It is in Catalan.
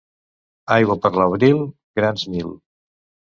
Aigua per l'abril, grans mil.